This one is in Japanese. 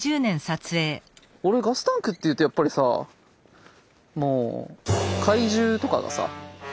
俺ガスタンクっていうとやっぱりさもう怪獣とかがさ